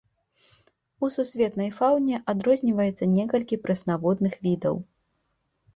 У сусветнай фаўне адрозніваецца некалькі прэснаводных відаў.